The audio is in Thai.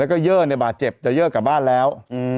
และก็เย้อในบาทเจ็บจะเย้อกลับบ้านแล้ว